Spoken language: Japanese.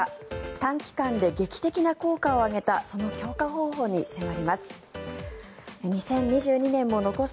短期間で劇的な効果を上げたその強化方法に迫ります。